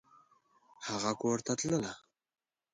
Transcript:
هغه کورته تلله !